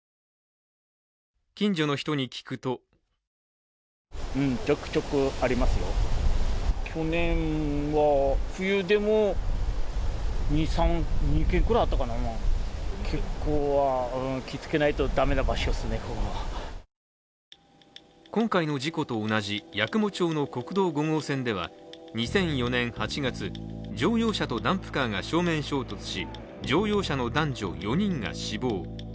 近所の人に聞くと今回の事故と同じ八雲町の国道５号線では、２００４年８月、乗用車とダンプカーが正面衝突し乗用車の男女４人が死亡。